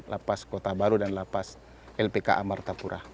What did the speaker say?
lapas kota baru dan lapas lpka martapura